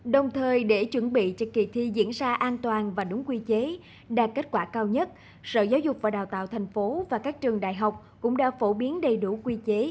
đồng thời để chuẩn bị cho kỳ thi diễn ra an toàn và đúng quy chế đạt kết quả cao nhất sở giáo dục và đào tạo thành phố và các trường đại học cũng đã phổ biến đầy đủ quy chế